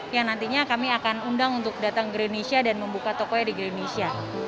yang nantinya kami akan undang untuk datang ke indonesia dan membuka tokonya di indonesia